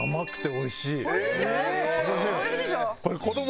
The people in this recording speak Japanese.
美味しいでしょ？